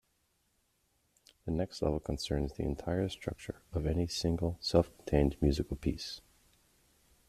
The next level concerns the entire structure of any single self-contained musical piece.